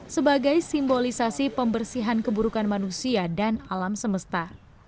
sebagai simbolisasi pembersihan keburukan manusia dan alam semesta